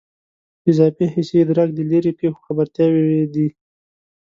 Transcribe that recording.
اضافي حسي ادراک د لیرې پېښو خبرتیاوې دي.